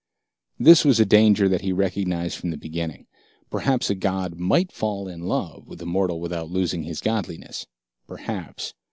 This was a danger that he recognized from the beginning. Perhaps a god might fall in love with a mortal without losing his godliness. Perhaps.